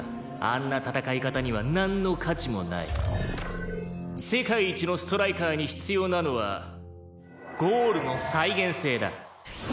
「あんな戦い方にはなんの価値もない」「世界一のストライカーに必要なのはゴールの再現性だ」